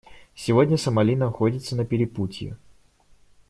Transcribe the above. Сегодня Сомали находится на перепутье.